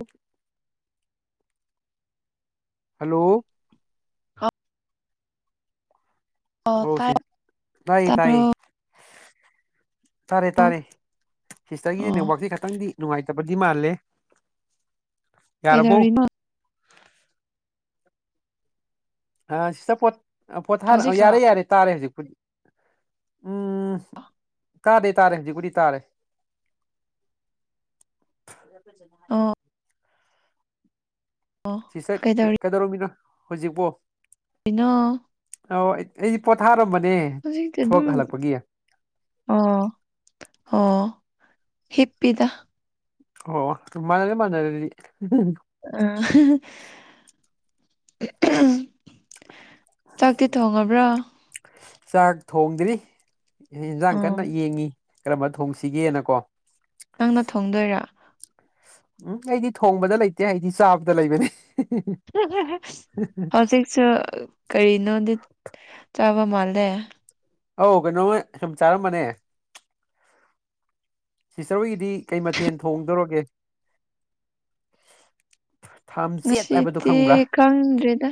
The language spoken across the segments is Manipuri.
ꯎꯝ ꯍꯜꯂꯣ ꯑꯣ ꯇꯥꯏ ꯇꯥꯏꯌꯦ ꯇꯕ꯭ꯔꯣ ꯇꯥꯏꯌꯦ ꯇꯥꯔꯦ ꯇꯥꯔꯦ ꯁꯤꯁꯇꯔꯒꯤꯗꯤ ꯑꯣ ꯅꯦꯠꯋꯥꯛꯁꯦ ꯈꯇꯪꯗꯤ ꯅꯨꯡꯉꯥꯏꯇꯕꯗꯤ ꯃꯥꯜꯂꯦ ꯌꯥꯔꯕꯣ ꯀꯩꯗꯧꯔꯤꯃꫭ ꯑ ꯁꯤꯗꯣꯠ ꯄꯣꯊꯥꯔꯛꯑꯣ ꯍꯧꯖꯤꯛꯔꯣ ꯌꯥꯔꯦ ꯌꯥꯔꯦ ꯇꯥꯔꯦ ꯍꯧꯖꯤꯛꯄꯨꯗꯤ ꯎꯝ ꯇꯥꯗꯦ ꯇꯥꯔꯦ ꯍꯧꯖꯤꯒꯨꯗꯤ ꯇꯥꯔꯦ [inaudible] ꯑꯣ ꯑꯣ ꯁꯤ ꯁꯦ ꯀꯩꯗꯧꯔꯤꯅꯣ ꯀꯩꯗꯧꯔꯝꯃꯤꯅꯣ ꯍꯧꯖꯤꯛꯄꯣ ꯀꯤꯅꫭ ꯑꯣ ꯑꯩꯗꯤ ꯄꯊꯥꯔꯝꯕꯅꯤ [unintelligible] ꯑꯣ ꯑꯣ ꯍꯤꯞꯄꯗ ꯑꯣ ꯃꯥꯥꯟꯅꯔꯦ ꯃꯥꯟꯅꯔꯦ ꯑꯗꯨꯗꯤ ꯑꯣ ꯆꯥꯛꯇꯤ ꯊꯣꯡꯉꯕ꯭ꯔꯥ ꯆꯥꯛ ꯊꯣꯡꯗ꯭ꯔꯤ ꯏꯟꯖꯥꯡ ꯀꯟꯅ ꯑꯣ ꯌꯦꯡꯉꯤ ꯀꯔꯝꯕ ꯊꯣꯡꯁꯤꯒꯦꯅꯀꯣ ꯅꯪꯅ ꯊꯣꯡꯗꯣꯏꯔꯥ ꯎꯝ ꯑꯩꯗꯤ ꯊꯣꯡꯕꯗ ꯂꯩꯇꯦ ꯑꯩꯗꯤ ꯆꯥꯕꯗ ꯂꯩꯕꯅꯤ ꯍꯧꯖꯤꯛꯁꯨ ꯀꯔꯤꯅꯣꯗꯤ ꯆꯥꯕ ꯃꯥꯜꯂꯦ ꯑꯧ ꯀꯩꯅꯣꯃ ꯁꯨꯝ ꯆꯥꯔꯝꯕꯅꯦ ꯁꯤꯁꯇꯔ ꯍꯣꯏꯒꯤꯗꯤ ꯀꯩ ꯃꯊꯦꯜ ꯊꯣꯡꯗꯧꯔꯒꯦ ꯊꯥꯝꯆꯦꯠ ꯍꯥꯏꯕꯗꯨꯣ ꯈꯪꯕ꯭ꯔꯥ ꯈꯪꯗ꯭ꯔꯤꯗ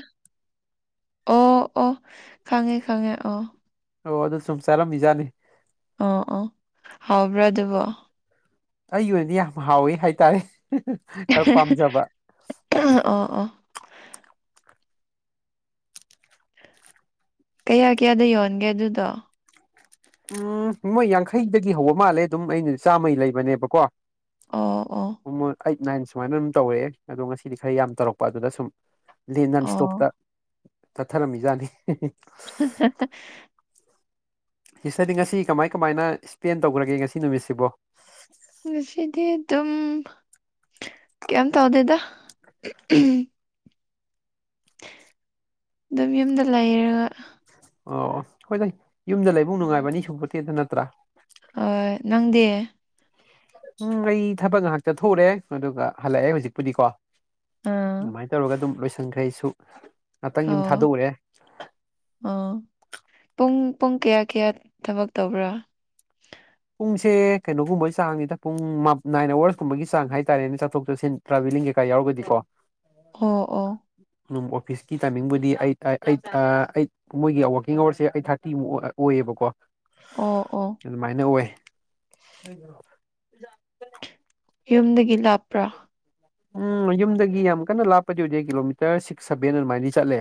ꯑꯣ ꯑꯣ ꯈꯪꯉꯦ ꯈꯪꯉꯦ ꯑꯣ ꯑꯣ ꯑꯗꯨ ꯁꯨꯝ ꯆꯥꯔꯝꯃꯤꯖꯥꯅꯤ ꯑꯣ ꯑꯣ ꯍꯥꯎꯕ꯭ꯔꯥ ꯑꯗꯨꯕꯣ ꯑꯩꯒꯤ ꯑꯣꯏꯅꯗꯤ ꯌꯥꯝ ꯍꯥꯎꯋꯤ ꯍꯥꯏꯇꯥꯔꯦ ꯈꯔ ꯄꯥꯝꯖꯕ ꯑꯣ ꯑꯣ ꯀꯌꯥ ꯀꯌꯥꯗ ꯌꯣꯟꯒꯦ ꯑꯗꯨꯗꯣ ꯎꯝ ꯅꯣꯏ ꯌꯥꯡꯈꯩꯗꯒꯤ ꯍꯧꯕ ꯃꯥꯜꯂꯦ ꯑꯗꯨꯝ ꯑꯩꯅ ꯆꯥꯝꯃꯩ ꯂꯩꯕꯅꯦꯕꯀꯣ ꯑꯣ ꯑꯣ ꯃꯣꯏ ꯑꯩꯠ ꯅꯥꯏꯟ ꯁꯨꯃꯥꯏꯅ ꯑꯗꯨꯝ ꯇꯧꯔꯛꯑꯦ ꯑꯗꯣ ꯉꯁꯤꯗꯤ ꯈꯔ ꯌꯥꯝ ꯇꯧꯔꯛꯄ ꯑꯗꯨꯗ ꯁꯨꯝ ꯂꯦꯟ ꯅꯟ ꯑꯣ ꯏꯁꯇꯣꯞꯇ ꯆꯠꯊꯔꯝꯃꯤꯖꯥꯠꯅꯤ [unintelligible] ꯍꯤꯁꯇꯔꯗꯤ ꯉꯁꯤ ꯀꯃꯥꯏ ꯀꯃꯥꯏꯅ ꯁ꯭ꯄꯦꯟ ꯇꯧꯈ꯭ꯔꯒꯦ ꯉꯁꯤ ꯅꯨꯃꯤꯠꯁꯤꯕꯣ ꯉꯁꯤꯗꯤ ꯑꯗꯨꯝ ꯀꯌꯥꯝ ꯇꯧꯗꯦꯗ ꯑꯗꯨꯝ ꯌꯨꯝꯗ ꯂꯩꯔꯒ ꯑꯣ ꯑꯣ ꯍꯣꯏꯗ ꯌꯨꯝꯗ ꯂꯩꯕꯨꯡ ꯅꯨꯡꯉꯥꯏꯕꯅꯤ ꯁꯨꯡꯄꯇꯦꯗ ꯅꯠꯇ꯭ꯔꯥ ꯅꯪꯗꯤ ꯎꯝ ꯑꯩ ꯊꯕꯛ ꯉꯥꯛꯇ ꯊꯣꯛꯔꯦ ꯑꯗꯨꯒ ꯍꯜꯂꯛꯑꯦ ꯍꯧꯖꯤꯛꯄꯨꯗꯤꯀꯣ ꯑꯥ ꯑꯗꯨꯃꯥꯏꯅ ꯇꯧꯔꯒ ꯑꯗꯨꯝ ꯂꯣꯏꯁꯟꯈꯩꯁꯨ ꯉꯥꯛꯇꯪ ꯌꯨꯝ ꯑꯣ ꯊꯥꯗꯣꯛꯎꯔꯦ ꯑꯣ ꯄꯨꯡ ꯄꯨꯡ ꯀꯌꯥ ꯀꯌꯥ ꯊꯕꯛ ꯇꯧꯕ꯭ꯔꯥ ꯄꯨꯡꯁꯦ ꯀꯩꯅꯣꯒꯨꯝꯕꯒꯤ ꯆꯥꯡꯅꯤꯗ ꯄꯨꯡ ꯅꯥꯏꯟ ꯑꯋꯥꯔꯁꯀꯨꯝꯕꯒꯤ ꯆꯥꯡ ꯍꯥꯏꯇꯥꯔꯦꯅꯦ ꯆꯠꯊꯣꯛ ꯆꯠꯁꯤꯟ ꯇ꯭ꯔꯥꯚꯦꯂꯤꯡ ꯀꯩꯀꯥ ꯌꯥꯎꯔꯒꯗꯤꯀꯣ ꯑꯣ ꯑꯣ ꯑꯗꯨ ꯑꯣꯐꯤꯁꯀꯤ ꯇꯥꯏꯃꯤꯡꯕꯨꯗꯤ ꯑꯩꯠ ꯑꯩꯠ ꯑꯩꯠ ꯃꯣꯏꯒꯤ ꯋꯥꯔꯀꯤꯡ ꯑꯋꯥꯔꯁꯦ ꯑꯩꯠ ꯊꯥꯔꯇꯤꯃꯨꯛ ꯑꯣꯏꯌꯦꯕꯀꯣ ꯑꯣ ꯑꯣ ꯑꯗꯨꯃꯥꯏꯅ ꯑꯣꯏ [unintelligible] ꯌꯨꯝꯗꯒꯤ ꯂꯥꯞꯄ꯭ꯔꯥ ꯎꯝ ꯌꯨꯝꯗꯒꯤ ꯌꯥꯝ ꯀꯟꯅ ꯂꯥꯞꯄꯗꯤ ꯑꯣꯏꯗꯦ ꯀꯤꯂꯣꯃꯤꯇꯔ ꯁꯤꯛꯁ ꯁꯚꯦꯟ ꯑꯗꯨꯃꯥꯏꯅ ꯆꯠꯂꯦ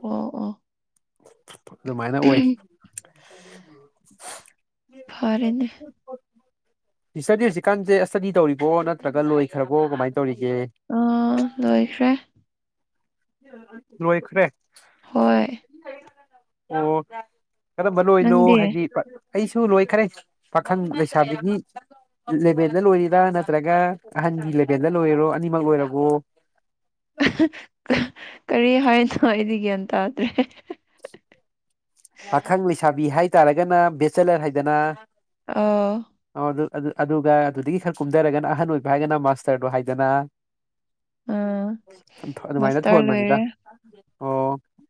ꯑꯣ ꯑꯣ ꯑꯗꯨꯃꯥꯏꯅ ꯑꯣꯏ ꯗꯤ ꯐꯔꯦꯅꯦ ꯍꯧꯖꯤꯛꯀꯥꯟꯁꯦ ꯏꯁꯇꯗꯤ ꯇꯧꯔꯤ ꯕꯣ ꯅꯠꯇ꯭ꯔꯒ ꯂꯣꯏꯈ꯭ꯔꯕꯣ ꯀꯃꯥꯏꯅ ꯇꯧꯔꯤꯒꯦ ꯑꯥ ꯂꯣꯏꯈ꯭ꯔꯦ ꯂꯣꯏꯈꯔꯦ ꯍꯣꯏ ꯑꯣ ꯀꯔꯝꯕꯅꯅꯣ ꯅꯪꯗꯤ ꯍꯥꯏꯗꯤ ꯑꯩꯁꯨ ꯂꯣꯏꯈꯔꯦ ꯄꯥꯈꯪ ꯂꯩꯁꯥꯕꯤꯒꯤ ꯂꯦꯚꯦꯜꯗ ꯂꯣꯏꯔꯤꯔꯥ ꯅꯠꯇ꯭ꯔꯒ ꯑꯍꯟꯒꯤ ꯂꯦꯚꯦꯜꯗ ꯂꯣꯏꯔꯣ ꯑꯅꯤꯃꯛ ꯂꯣꯏꯔꯕꯣ ꯀꯔꯤ ꯍꯥꯏꯅꯣ ꯑꯩꯗꯤ ꯒ꯭ꯌꯥꯟ ꯇꯥꯗ꯭ꯔꯦ ꯑꯥꯈꯪ ꯂꯩꯁꯥꯕꯤ ꯍꯥꯏꯇꯥꯔꯒꯅ ꯕꯦꯆꯦꯂꯔ ꯍꯥꯏꯗꯅ ꯑ ꯑ ꯑꯗꯨ ꯑꯗꯨꯗꯒꯤ ꯈꯔ ꯀꯨꯝꯊꯔꯒꯅ ꯑꯍꯟ ꯑꯣꯏꯕ ꯍꯥꯏꯒꯅ ꯃꯥꯁꯇꯔꯗꯣ ꯍꯥꯏꯗꯅ ꯑꯥ ꯑꯗꯨꯃꯥꯏꯅ ꯃꯥꯁꯇꯔ ꯂꯣꯏꯔꯦ ꯊꯣꯟꯕꯅꯤꯗ ꯑꯣ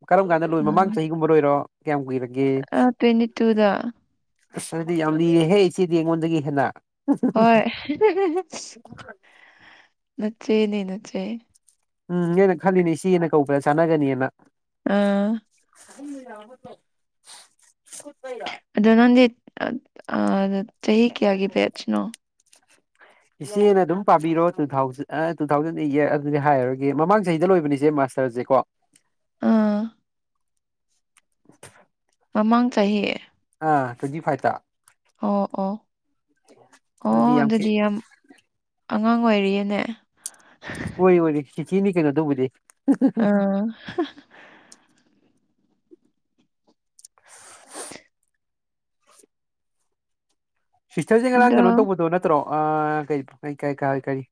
ꯀꯔꯝ ꯀꯥꯟꯗ ꯂꯣꯏ ꯃꯃꯥꯡ ꯆꯍꯤꯒꯨꯝꯕ ꯂꯣꯏꯔꯣ ꯀꯌꯥꯝ ꯀꯨꯏꯔꯒꯦ ꯑꯥ ꯇ꯭ꯋꯦꯟꯇꯤ ꯇꯨꯗ ꯑꯁ ꯍꯥꯏꯗꯤ ꯌꯥꯝ ꯂꯤꯔꯦꯍꯦ ꯏꯆꯦꯗꯤ ꯑꯩꯉꯣꯟꯗꯒꯤ ꯍꯦꯟꯅ ꯍꯣꯏ ꯅꯆꯦꯅꯦ ꯅꯆꯦ ꯎꯝꯅꯦꯦꯅ ꯈꯜꯂꯤꯅꯦ ꯁꯤꯦꯅ ꯀꯧꯕ꯭ꯔꯥ ꯆꯥꯟꯅꯒꯅꯤꯅ ꯑꯥ ꯎꯝꯔ ꯑꯗꯣ ꯅꯪꯗꯤ ꯆꯍꯤ ꯀꯌꯥꯒꯤ ꯕꯦꯠꯁꯅꯣ [inaudible] ꯏꯆꯦꯅ ꯑꯗꯨꯝ ꯄꯥꯕꯤꯔꯣ ꯇꯨ ꯊꯥꯎꯖꯟ ꯇꯨ ꯊꯥꯎꯖꯟ ꯑꯗꯨꯗꯤ ꯍꯥꯏꯔꯨꯔꯒꯦ ꯃꯃꯥꯡ ꯆꯍꯤꯗ ꯂꯣꯏꯕꯅꯤꯆꯦ ꯃꯥꯁ ꯆꯂꯁꯤꯀꯣ ꯑꯥ ꯃꯃꯥꯡ ꯆꯍꯤ ꯑ ꯑꯗꯨꯗꯤ ꯐꯥꯏꯇ ꯑꯣ ꯑꯣ ꯑꯣ ꯑꯗꯨꯗꯤ ꯌꯥꯝ ꯑꯉꯥꯡ ꯑꯣꯏꯔꯤꯌꯦꯅꯦ ꯑꯣꯏꯣꯏ ꯑꯣꯏ ꯁꯤꯤꯆꯤꯅꯤ ꯀꯩꯅꯣ ꯇꯧꯕꯗꯤ ꯑ ꯁꯤꯁꯇꯔꯁꯦ ꯉꯔꯥꯡ ꯑꯗꯣ ꯀꯩꯅꯣ ꯇꯧꯕꯗꯣ ꯅꯠꯇ꯭ꯔꯣ ꯀ ꯀ ꯀ ꯀ ꯀꯔꯤ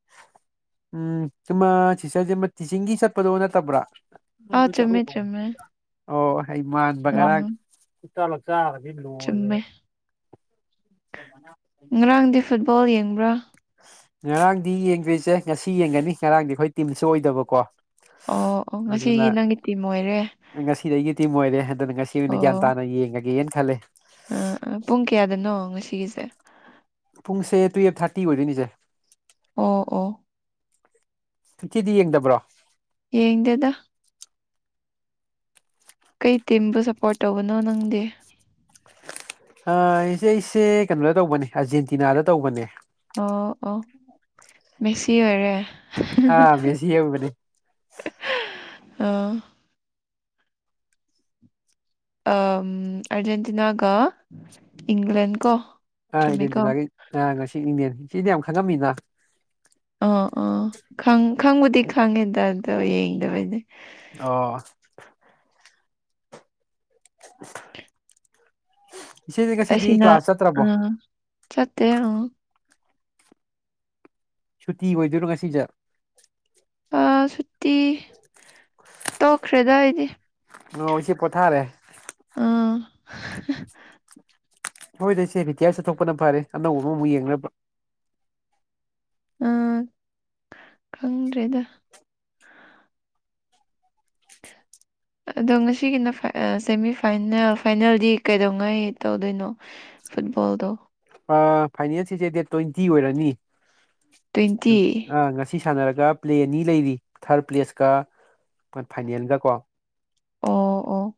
ꯎꯝ ꯁꯤꯃ ꯁꯤꯇꯔꯁꯃ ꯇꯤꯆꯤꯡꯒꯤ ꯆꯠꯄꯗꯣ ꯅꯠꯇꯕ꯭ꯔꯥ ꯑ ꯆꯨꯝꯃꯦ ꯆꯨꯝꯃꯦ ꯑꯣ ꯍꯩ ꯃꯥꯟꯕ ꯈꯔ ꯎꯝ ꯈꯨꯇ ꯂ ꯆꯔꯗꯤ ꯂꯣꯏꯔꯦ ꯆꯨꯝꯃꯦ ꯉꯔꯥꯡꯗꯤ ꯐꯨꯠꯕꯣꯜ ꯌꯦꯡꯕ꯭ꯔꯥ ꯉꯔꯥꯡꯗꯤ ꯌꯦꯡꯗꯣꯏꯁꯦ ꯉꯁꯤ ꯌꯦꯡꯒꯅꯤ ꯉꯔꯥꯡꯗꯤ ꯑꯩꯈꯣꯏ ꯇꯤꯝꯁꯨ ꯑꯣꯏꯗꯕꯀꯣ ꯑꯣ ꯑꯣ ꯉꯁꯤꯒꯤ ꯅꯪ ꯏꯇ ꯃꯣ ꯉꯁꯤꯗꯒꯤ ꯑꯩꯒꯤꯗꯤꯤꯝ ꯑꯣꯏꯣꯏꯔꯦ ꯍꯟꯗꯅ ꯉꯁꯤ ꯑꯣꯏꯅ ꯑꯣ ꯒ꯭ꯌꯥꯟ ꯇꯥꯅ ꯌꯦꯡꯉꯒꯦꯅ ꯈꯜꯂꯦ ꯑꯥ ꯄꯨꯡ ꯀꯌꯥꯗꯅꯣ ꯉꯁꯤꯒꯤꯁꯦ ꯄꯨꯡꯁꯦ ꯇꯨꯌꯦꯞ ꯊꯥꯔꯇꯤ ꯑꯣꯏꯗꯣꯏꯅꯤꯁꯦ ꯑꯣ ꯑꯣ ꯆꯆꯤꯗꯤ ꯌꯦꯡꯗꯕ꯭ꯔꯣ ꯌꯦ ꯇꯦꯗ ꯀꯩ ꯇꯤꯝꯕꯨ ꯁꯄꯣꯔꯠ ꯇꯧꯕꯅꯣ ꯅꯪꯗꯤ ꯁꯦ ꯑꯩꯁꯦ ꯀꯩꯅꯣꯗ ꯇꯧꯕꯅꯦ ꯑꯔꯖꯦꯟꯇꯤꯅꯥꯗ ꯇꯧꯕꯅꯦ ꯑꯣ ꯑꯣ ꯦꯁꯤ ꯑꯣꯏꯔꯦ ꯑꯥ ꯃꯦꯁꯤ ꯌꯧꯕꯅꯦ ꯑꯥ ꯑ ꯑꯔꯖꯦꯟꯇꯤꯅꯥ ꯀ ꯏꯪꯂ꯭ꯂ ꯀꯣ ꯑ ꯆꯨꯝꯃꯤꯀꯣ ꯏꯦꯟꯁꯤꯅꯥꯈꯩ ꯑ ꯉꯁꯤ ꯏꯅꯦꯦꯟ ꯁꯤꯗꯤ ꯌꯥꯝ ꯈꯪꯉꯝꯃꯤꯅ ꯑ ꯑꯥ ꯈꯪꯕꯨꯗꯤ ꯈꯪꯉꯦꯗ ꯑꯗꯣ ꯌꯦꯡꯗꯕꯩꯗꯤ ꯑꯣ ꯏꯆꯦꯗꯤ ꯉꯁꯤꯗꯤ ꯀ꯭ꯂꯥꯁ ꯆꯠꯇ꯭ꯔꯕꯣ ꯆꯠꯇꯅ ꯁꯨꯇꯤ ꯑꯣꯏꯗꯣꯏꯔꯣ ꯉꯁꯤꯁꯦ ꯁꯨꯇꯤ ꯇꯧꯈ꯭ꯔꯦꯗꯏꯗꯤ ꯅꯁꯤ ꯄꯣꯊꯥꯔꯦ ꯑꯥ ꯍꯣꯏꯁꯦ ꯕꯤ ꯇꯤ ꯑ ꯆꯠꯊꯄꯅ ꯐꯔꯦ ꯑꯅꯧꯕ ꯑꯃꯃꯨꯛ ꯌꯦꯡꯅꯕ ꯑ ꯈꯪꯗ꯭ꯔꯦꯗ ꯑꯗꯣ ꯉꯁꯤꯒꯤꯅ ꯁꯦꯃꯤ ꯐꯥꯏꯅꯦꯜ ꯐꯥꯏꯅꯦꯜꯗꯤ ꯀꯩꯗꯧꯉꯥꯏ ꯇꯧꯗꯣꯏꯅꯣ ꯐꯨꯠꯕꯣꯜꯗꯣ ꯐꯥꯏꯅꯦꯜ ꯁꯤꯁꯦ ꯗꯦꯠ ꯇ꯭ꯋꯦꯟꯇꯤ ꯑꯣꯏꯔꯅꯤ ꯇ꯭ꯋꯦꯟꯇꯤ ꯑ ꯉ ꯑꯁꯤ ꯁꯥꯟꯅꯔꯒ ꯄ꯭ꯂꯦ ꯑꯅꯤ ꯂꯩꯔꯤ ꯊꯥꯔꯠ ꯄ꯭ꯂꯦꯁꯀ ꯐꯥꯏꯅꯦꯜꯒ ꯀꯣ ꯑꯣ ꯑꯣ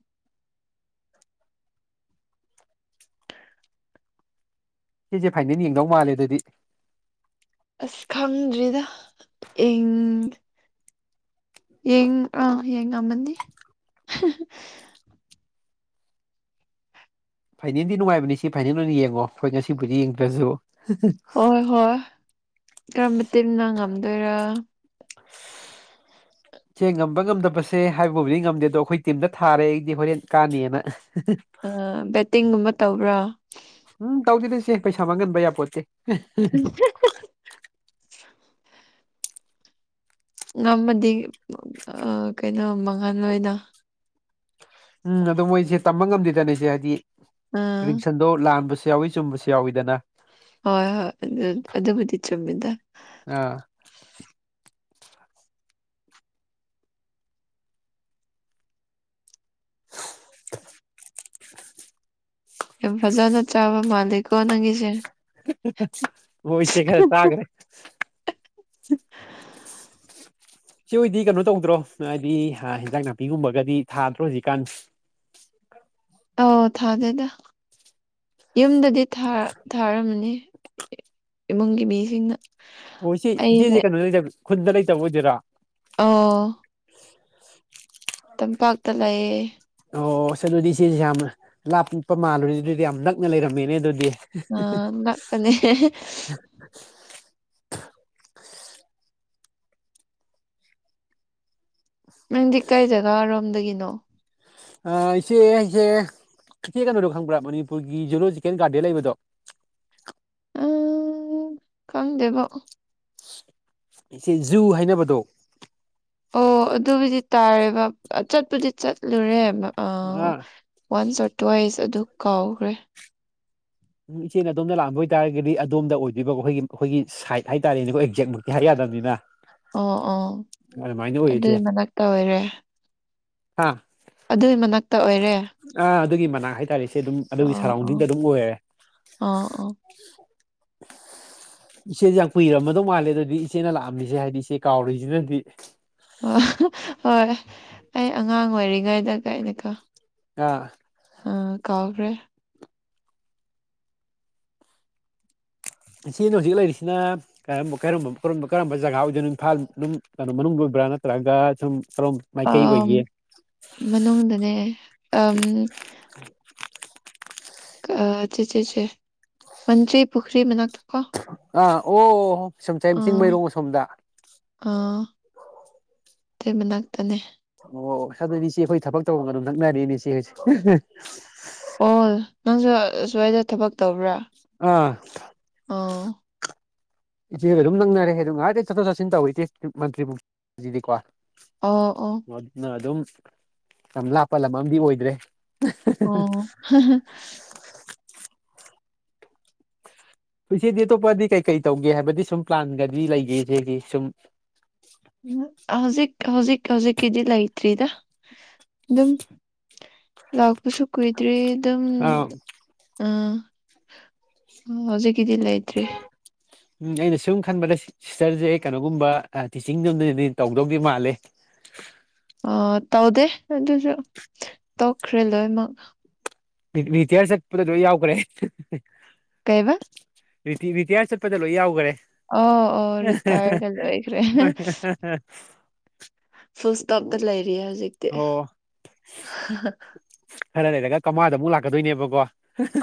ꯁꯤꯁꯦ ꯐꯥꯏꯅꯜ ꯌꯦꯡꯗꯧ ꯃꯥꯜꯂꯦ ꯑꯗꯨꯗꯤ ꯑꯁ ꯈꯪꯗ꯭ꯔꯤꯗ ꯌꯦꯡ ꯑ ꯌꯦꯡꯝꯃꯅꯤ ꯐꯥꯏꯅꯦꯜꯗꯤ ꯅꯨꯡꯉꯥꯏꯕꯅꯤ ꯁꯤ ꯐꯥꯏꯅꯦꯜ ꯑꯣꯏꯅ ꯌꯦꯡꯉꯣ ꯑꯩꯈꯣꯏ ꯉꯁꯤꯕꯨꯗꯤ ꯌꯦꯡꯗ꯭ꯔꯁꯨ ꯍꯣꯏ ꯍꯣꯏ ꯀꯔꯝꯕ ꯇꯤꯟꯟꯅ ꯉꯝꯗꯣꯏꯔꯥ ꯁꯦ ꯉꯝꯕ ꯉꯝꯗꯕꯁꯦ ꯍꯥꯏꯕꯕꯨꯗꯤ ꯉꯝꯗꯦ ꯑꯗꯣ ꯑꯩꯈꯣꯏ ꯇꯤꯝꯗ ꯊꯥꯔꯦ ꯑꯩꯗꯤ ꯍꯣꯔꯦꯟ ꯀꯥꯅꯑꯅ ꯑ ꯕꯦꯠꯇꯤꯡꯒꯨꯝꯕ ꯇꯧꯕ꯭ꯔꯥ ꯎꯝ ꯇꯧꯗꯗꯁꯦ ꯄꯩꯁꯥ ꯃꯥꯡꯍꯟꯕ ꯌꯥꯄꯣꯠꯁꯦ ꯉꯝꯃꯗꯤ ꯀꯩꯅꯣ ꯃꯉꯜ ꯑꯣꯏꯅ ꯎꯝ ꯑꯗ ꯃꯣꯏꯁꯦ ꯇꯝꯕ ꯉꯝꯗꯦꯗꯅꯁꯦ ꯍꯥꯏꯗꯤ ꯑꯥ ꯄꯁꯟ ꯑꯗꯣ ꯂꯥꯟꯕꯁꯨ ꯌꯥꯎꯏꯤ ꯆꯨꯝꯕꯁꯨ ꯌꯥꯎꯏꯤꯗꯅ ꯍꯣꯏ ꯍꯣꯏ ꯑꯗꯨ ꯑꯗꯨꯕꯨꯗꯤ ꯆꯨꯝꯃꯤꯗ ꯑ [unintelligible] ꯌꯥꯝ ꯐꯖꯅ ꯆꯥꯕ ꯃꯥꯂꯀꯣ ꯅꯪꯒꯤꯁꯦ ꯕꯣꯏꯁꯦ ꯈꯔ ꯇꯥꯒ꯭ꯔꯦ [unintelligible] [inaudible] ꯁꯤ ꯑꯣꯏꯗꯤ ꯀꯩꯅꯣ ꯇꯧꯗ꯭ꯔꯣ ꯍꯥꯏꯗꯤ ꯍꯤꯟꯖꯥꯡ ꯅꯥꯄꯤꯒꯨꯝꯕꯒꯗꯤ ꯊꯥꯗ꯭ꯔꯣ ꯍꯧꯖꯤꯛꯀꯥꯟ ꯑꯧ ꯊꯥꯗꯦꯗ ꯌꯨꯝꯗꯗꯤ ꯊꯥꯔꯝꯃꯅꯤ ꯏꯃꯨꯡꯪꯒꯤ ꯁꯤꯡꯅ ꯑꯣ ꯏꯆꯦ ꯏꯆꯦꯁꯦ ꯀꯩꯅꯣꯗ ꯂꯩꯇꯕ ꯈꯨꯟꯗ ꯂꯩꯇꯕ ꯑꯣꯏꯗꯣꯏꯔꯥ ꯑꯣ ꯇꯝꯄꯥꯛꯇ ꯂꯩꯌꯦ ꯑꯣ ꯑꯁ ꯑꯗꯨꯗꯤ ꯁꯤꯁꯦ ꯌꯥꯝ ꯂꯥꯞꯄ ꯃꯥꯜꯂꯨꯔꯅꯦ ꯑꯗꯨꯗꯤ ꯌꯥꯝ ꯅꯛꯅ ꯂꯩꯔꯝꯃꯦꯅꯦ ꯑꯗꯨꯗꯤ ꯑꯥꯛꯇꯅꯦ ꯅꯪꯗꯤ ꯀꯩꯗꯅꯔꯣꯝꯗꯒꯤꯅꯣ ꯏꯆꯦ ꯑꯩꯁꯦ ꯏꯆꯦ ꯀꯩꯅꯣꯗꯣ ꯈꯪꯕ꯭ꯔꯥ ꯃꯅꯤꯄꯨꯔꯒꯤ ꯖꯨꯂꯣꯖꯤꯀꯦꯜ ꯒꯥꯔꯗꯦꯟ ꯂꯩꯕꯗꯣ ꯎ ꯀꯝꯗꯦꯕꯣ ꯏꯆꯦ ꯖꯨ ꯍꯥꯏꯅꯕꯗꯣ ꯑꯣ ꯑꯗꯨꯕꯨꯗꯤ ꯇꯥꯔꯦꯕ ꯆꯠꯄꯨꯗꯤ ꯆꯠꯂꯨꯔꯦꯕ ꯑ ꯋꯥꯟꯁ ꯑꯣꯔ ꯇ꯭ꯋꯥꯏꯁ ꯑꯗꯨ ꯀꯥꯎꯈ꯭ꯔꯦ ꯏꯆꯦꯦꯟ ꯑꯗꯣꯝꯅ ꯂꯥꯛꯝꯕ ꯑꯣꯏꯇꯥꯔꯒꯗꯤ ꯑꯣꯝ ꯑꯣꯏꯗꯣꯏꯔꯤꯕ ꯑꯩꯈꯣꯏꯒꯤ ꯑꯩꯈꯣꯏꯒꯤ ꯁꯥꯏꯠ ꯍꯥꯏꯇꯥꯔꯦꯅꯦꯈꯣꯏ ꯑꯦꯛꯖꯦꯛꯃꯨꯛꯇꯤ ꯍꯥꯏ ꯌꯥꯗꯕꯅꯤꯅ ꯑꯣ ꯑꯣ ꯑꯗꯨꯏ ꯃꯛꯇ ꯑꯣꯏꯔꯦ ꯍꯥꯥ ꯑꯗꯨ ꯃꯅꯥꯛ ꯑꯥ ꯑꯗꯨꯒꯤ ꯃꯅꯥꯛ ꯍꯥꯏꯇꯥꯔꯦꯁꯦ ꯑꯗꯨꯝ ꯑꯗꯨꯒꯤ ꯑꯣ ꯑꯣ ꯁꯔꯥꯎꯟꯗꯤꯡꯗ ꯑꯗꯨꯝ ꯑꯣꯏꯔꯦ ꯑꯣ ꯑꯣ ꯏꯆꯦꯁꯦ ꯌꯥꯝ ꯀꯨꯏꯔꯝꯃꯗꯧ ꯃꯥꯜꯂꯦ ꯑꯗꯨꯗꯤ ꯏꯆꯦꯅ ꯂꯥꯛꯑꯝꯃꯤꯁꯦ ꯍꯥꯏꯗꯤ ꯏꯆꯦ ꯀꯥꯎꯔꯤꯁꯤꯅꯗꯤ ꯑꯣ ꯍꯣꯏ ꯑꯩ ꯑꯉꯥꯡ ꯑꯣꯏꯔꯤꯉꯩꯗ ꯀꯩꯅꯣꯀꯣ ꯑ ꯑ ꯀꯥꯎꯈꯔꯦ ꯢꯆꯦꯅ ꯍꯧꯖꯤꯛ ꯂꯩꯔꯤꯁꯤꯅ ꯀꯔꯝꯕ ꯀꯔꯝꯕ ꯀꯔꯝꯕ ꯖꯒꯥ ꯑꯣꯏꯗꯅꯣ ꯏꯝꯐꯥꯜ ꯀꯩꯅꯣ ꯃꯅꯨꯡꯗ ꯑꯣꯏꯕ꯭ꯔꯥ ꯅꯠꯇ꯭ꯔꯒ ꯁꯨꯝ ꯑ ꯃꯥꯏꯀꯩ ꯑꯣꯏꯒꯦ ꯃꯅꯨꯡꯗꯅꯦ ꯑ ꯆꯦ ꯆꯦꯆꯦ ꯃꯟꯇ꯭ꯔꯤ ꯄꯨꯈ꯭ꯔꯤ ꯃꯅꯥꯛꯇꯀꯣ ꯑꯥ ꯑꯣ ꯁꯨꯝꯆꯥꯏ ꯆꯤꯡꯃꯩꯔꯣꯡ ꯑꯁꯣꯝꯗ ꯑꯥ ꯑꯗꯨꯢ ꯃꯅꯥꯛꯇꯅꯦ ꯑꯣ ꯑꯗꯨ ꯏꯆꯦ ꯑꯩꯈꯣꯏ ꯊꯕꯛ ꯇꯧꯕꯝꯒ ꯑꯗꯨꯝ ꯅꯛꯅꯔꯦꯅꯦ ꯢꯆꯦ ꯑꯩꯈꯣꯏꯁꯦ ꯑꯣ ꯅꯪꯁꯨ ꯑꯁ꯭ꯋꯥꯏꯗ ꯊꯕꯛ ꯇꯧꯕ꯭ꯔꯥ ꯑꯥ ꯑꯣ ꯏꯆꯦꯗꯣ ꯑꯗꯨꯝ ꯅꯪꯅꯔꯦ ꯑꯗꯨ ꯉꯥꯛ ꯂꯩꯇ ꯆꯠꯊꯣꯛ ꯆꯠꯁꯤꯟ ꯇꯧꯔꯤꯅꯦ ꯃꯟꯇ꯭ꯔꯤ ꯄꯨꯈ꯭ꯔꯤꯗꯤꯀꯣ ꯑꯣ ꯑꯣ ꯑꯗꯨꯅ ꯑꯗꯨꯝ ꯌꯥꯝ ꯂꯥꯞꯄ ꯂꯝ ꯑꯃꯗꯤ ꯑꯣꯏꯗ꯭ꯔꯦ ꯑꯣ ꯍꯣ ꯏꯆꯦꯗꯤ ꯑꯇꯣꯞꯄꯗꯤ ꯀꯩ ꯀꯩ ꯇꯧꯒꯦ ꯍꯥꯏꯕꯗꯤ ꯁꯨꯝ ꯄ꯭ꯂꯥꯟꯒꯗꯤ ꯂꯩꯒꯦ ꯏꯆꯦꯒꯤ ꯁꯨꯝ ꯎ ꯍꯧꯖꯤꯛ ꯍꯧꯖꯤꯛ ꯍꯧꯖꯤꯛꯒꯤꯗꯤ ꯂꯩꯇ꯭ꯔꯤꯗ ꯑꯗꯨꯝ ꯂꯥꯛꯄꯁꯨ ꯀꯨꯏꯗ꯭ꯔꯤ ꯑꯗꯨꯝ ꯑ ꯑꯝ ꯍꯧꯖꯤꯛꯒꯤꯗꯤ ꯂꯩꯗ꯭ꯔꯤ ꯎꯝ ꯑꯩꯅ ꯁꯨꯝ ꯈꯟꯕꯗ ꯁꯤꯁꯇꯔꯁꯦ ꯑꯩ ꯀꯩꯅꯣꯒꯨꯝꯕ ꯇꯤꯆꯤꯡꯂꯣꯝꯗꯗꯤ ꯇꯧꯗꯧꯗꯤ ꯃꯥꯜꯂꯦ ꯑ ꯇꯧꯗꯦ ꯑꯗꯨꯁꯨ ꯇꯣꯛꯈ꯭ꯔꯦ ꯂꯣꯏꯅꯃꯛ ꯔꯤꯇꯤꯌꯥꯔ ꯆꯠꯄꯗ ꯂꯣꯢ ꯌꯥꯎꯈ꯭ꯔꯦ ꯀꯩꯕ ꯔꯤꯇꯤꯌꯥꯔ ꯆꯠꯄꯗꯂꯣ ꯌꯥꯎꯈꯔꯦ ꯑꯣ ꯑꯣ ꯔꯤꯇꯥꯥꯏꯔꯗ ꯂꯣꯏꯈ꯭ꯔꯦ ꯍ [inaudible] ꯐꯨꯜ ꯁꯇꯣꯞꯇ ꯂꯩꯔꯤꯌꯦ ꯍꯧꯖꯤꯛ ꯑꯣ ꯈꯔ ꯂꯩꯔꯒ ꯀꯃꯥꯗ ꯑꯃꯨꯛ ꯂꯥꯛꯀꯗꯣꯏꯅꯦꯕꯀꯣ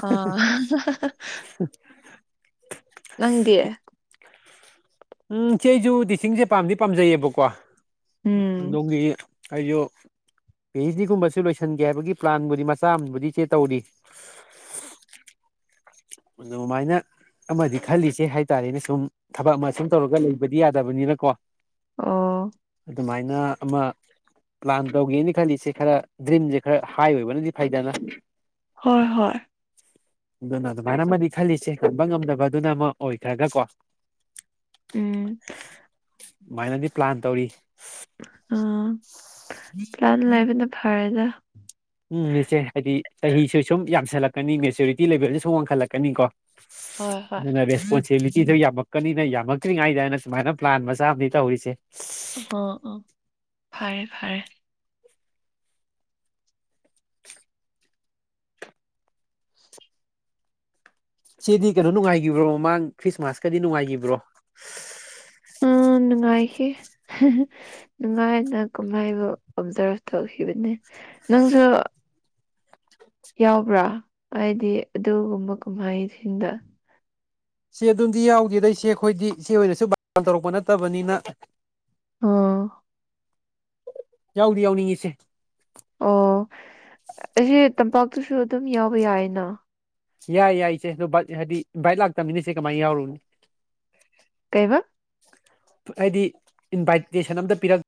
ꯑꯥ [unintelligible] ꯅꯪꯗꯤ ꯎꯝ ꯢꯆꯦ ꯑꯩꯁꯨ ꯇꯤꯆꯤꯡꯁꯦ ꯄꯥꯝꯗꯤ ꯄꯥꯝꯖꯩꯌꯦꯕꯀꯣ ꯎꯝ ꯗꯣꯡꯒꯤꯤ [inaudible] ꯑꯌꯣ ꯄꯤ ꯑꯩꯆ ꯗꯤꯒꯨꯝꯕꯁꯨ ꯂꯣꯏꯁꯤꯟꯒꯦ ꯍꯥꯏꯕꯒꯤ ꯄ꯭ꯂꯥꯟꯕꯨꯗꯤ ꯃꯆꯥ ꯑꯃꯕꯨꯗꯤ ꯏꯆꯦ ꯇꯧꯔꯤ ꯑꯗꯨꯃꯥꯏꯅ ꯑꯃꯗꯤ ꯈꯜꯂꯤꯁꯦ ꯍꯥꯏꯇꯥꯔꯦꯅꯦ ꯁꯨꯝ ꯊꯕꯛ ꯑꯃ ꯁꯨꯝ ꯇꯧꯔꯒ ꯂꯩꯕꯗꯤ ꯌꯥꯗꯕꯅꯤꯅꯀꯣ ꯑꯣ ꯑꯗꯨꯃꯥꯏꯅ ꯑꯃ ꯄ꯭ꯂꯥꯟ ꯇꯧꯒꯦꯅ ꯈꯜꯂꯤꯁꯦ ꯈꯔ ꯗ꯭ꯔꯤꯝꯁꯦ ꯈꯔ ꯍꯥꯏ ꯑꯣꯏꯕꯅꯗꯤ ꯐꯩꯗꯅ ꯍꯣꯏ ꯍꯣꯏ ꯑꯗꯨꯅ ꯑꯗꯨꯃꯥꯏꯅ ꯑꯃꯗꯤ ꯈꯜꯂꯤꯁꯦ ꯉꯝꯕ ꯉꯝꯗꯕꯗꯨꯅ ꯑꯃ ꯑꯣꯏꯈ꯭ꯔꯒꯀꯣ ꯎꯝ ꯑꯗꯨꯃꯥꯏꯅꯗꯤ ꯄ꯭ꯂꯥꯟ ꯇꯧꯔꯤ ꯎꯝ ꯄꯂꯥꯟ ꯂꯩꯕꯅ ꯐꯔꯦꯗ ꯎꯝ ꯏꯆꯦ ꯍꯥꯏꯗꯤ ꯆꯍꯤꯁꯨ ꯁꯨꯝ ꯌꯥꯝꯁꯜꯂꯛꯀꯅꯤ ꯃꯦꯆꯨꯔꯤꯇꯤ ꯂꯦꯚꯦꯜꯗ ꯁꯨꯝ ꯋꯥꯡꯈꯠꯂꯛꯀꯅꯤ ꯀꯣ ꯍꯣꯏ ꯍꯣꯏ ꯑꯗꯨꯅ ꯀꯦꯕꯤꯇꯤꯗꯣ ꯌꯥꯝꯃꯛꯀꯅꯤꯅ ꯌꯥꯝꯃꯛꯇ꯭ꯔꯤꯉꯩꯗꯅ ꯁꯨꯃꯥꯏꯅ ꯄ꯭ꯂꯥꯟ ꯃꯆꯥ ꯑꯃꯅꯤ ꯇꯧꯔꯤꯁꯦ ꯑꯣ ꯑꯣ ꯐꯔꯦ ꯐꯔꯦ ꯁꯤꯗꯤ ꯀꯩꯅꯣ ꯅꯨꯡꯉꯥꯏꯒꯤꯕ꯭ꯔꯣ ꯃꯃꯥꯡ ꯈ꯭ꯔꯤꯁꯃꯥꯁꯀꯗꯤ ꯅꯨꯡꯉꯥꯏꯒꯤꯕ꯭ꯔꯣ ꯎꯝ ꯅꯨꯡꯉꯥꯏꯈꯤ ꯅꯨꯡꯉꯥꯏꯅ ꯀꯨꯝꯍꯩꯕꯨ ꯑꯣꯕꯖꯥꯔꯚ ꯇꯧꯈꯤꯕꯅꯦ ꯅꯪꯁꯨ ꯌꯥꯎꯕ꯭ꯔꯥ ꯍꯥꯏꯗꯤ ꯑꯗꯨꯒꯨꯝꯕ ꯀꯨꯝꯍꯩꯁꯤꯡꯗ ꯏꯆꯦ ꯑꯗꯨꯝꯗꯤ ꯌꯥꯎꯗꯦꯗ ꯏꯆꯦ ꯑꯩꯈꯣꯏꯗꯤ ꯏꯆꯦꯍꯣꯏꯅꯁꯨ ꯕꯥꯔꯇꯣꯟ ꯇꯧꯔꯛꯄ ꯅꯠꯇꯕꯅꯤꯅ ꯑꯣ ꯌꯥꯎꯗꯤ ꯌꯥꯎꯅꯤꯡꯉꯤ ꯏꯆꯦ ꯑꯣ ꯑꯩꯁꯦ ꯇꯝꯄꯥꯛꯇꯁꯨ ꯑꯗꯨꯝ ꯌꯥꯎꯕ ꯌꯥꯏꯅ ꯌꯥꯏ ꯌꯥꯏ ꯏꯆꯦ ꯑꯗꯣ ꯕꯥꯠ ꯍꯥꯏꯗꯤ ꯕꯥꯏꯠ ꯂꯥꯛꯇꯕꯅꯤꯅ ꯏꯆꯦ ꯀꯃꯥꯏꯅ ꯌꯥꯎꯔꯨꯅꯤ ꯀꯩꯕ ꯍꯥꯏꯗꯤ ꯏꯟꯚꯥꯏꯇꯦꯁꯟ ꯑꯝꯇ ꯄꯤꯔꯛ